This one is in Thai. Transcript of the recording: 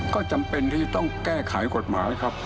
ก็จำเป็นที่จะต้องแก้ไขกฎหมายครับ